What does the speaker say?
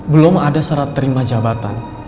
belum ada serat terima jabatan